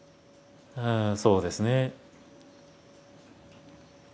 うんそうですね。